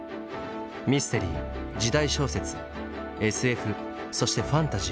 ミステリー時代小説ＳＦそしてファンタジー